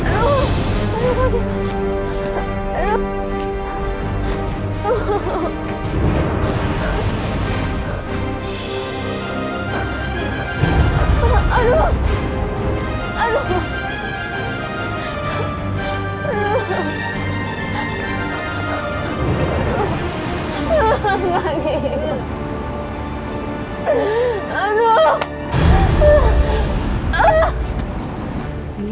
aduh aduh aduh